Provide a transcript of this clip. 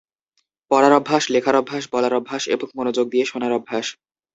পড়ার অভ্যাস, লেখার অভ্যাস, বলার অভ্যাস এবং মনোযোগ দিয়ে শোনার অভ্যাস।